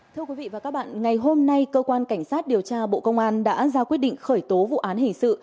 thưa quý vị và các bạn ngày hôm nay cơ quan cảnh sát điều tra bộ công an đã ra quyết định khởi tố vụ án hình sự